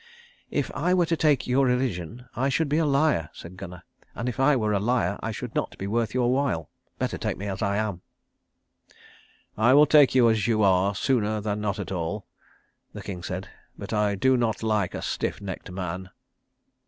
"If I were to take your religion I should be a liar," said Gunnar, "and if I were a liar I should not be worth your while. Better take me as I am." "I will take you as you are sooner than not at all," the king said. "But I do not like a stiff necked man."